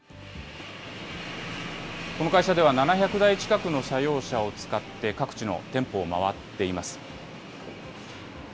この会社では、７００台近くの社用車を使って各地の店舗を回っています。